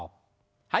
はい。